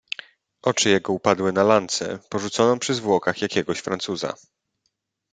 "Oczy jego upadły na lancę porzuconą przy zwłokach jakiegoś Francuza."